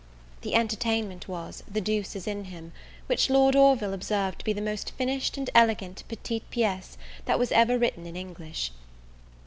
The entertainment was, The Duece is in Him; which Lord Orville observed to be the most finished and elegant petit piece that was ever written in English.